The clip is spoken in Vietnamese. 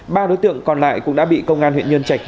ba đối tượng còn lại cũng đã bị công an huyện nhân trạch